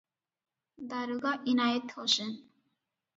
ଦାରୋଗା ଇନାଏତ ହୋସେନ